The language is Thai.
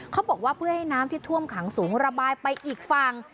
เขาบอกว่าเพื่อให้น้ำที่ท่วมขังสูงระบายไปอีกฝั่ง